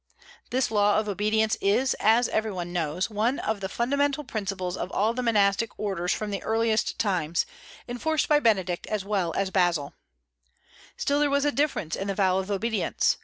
This law of obedience is, as every one knows, one of the fundamental principles of all the monastic orders from the earliest times, enforced by Benedict as well as Basil. Still there was a difference in the vow of obedience.